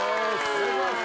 お願いします